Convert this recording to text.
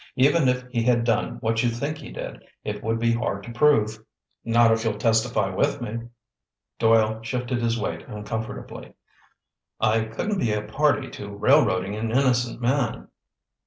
Even if he had done what you think he did, it would be hard to prove." "Not if you'll testify with me." Doyle shifted his weight uncomfortably. "I couldn't be a party to railroading an innocent man."